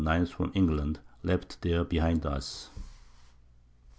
_ from England, left there behind us.